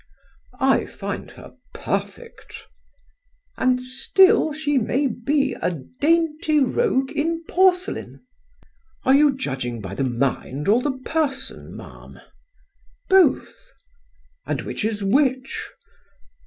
"I find her perfect." "And still she may be a dainty rogue in porcelain." "Are you judging by the mind or the person, ma'am?" "Both." "And which is which?"